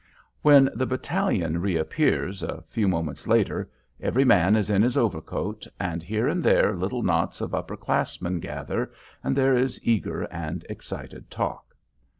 When the battalion reappears, a few moments later, every man is in his overcoat, and here and there little knots of upper classmen gather, and there is eager and excited talk.